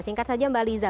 singkat saja mbak liza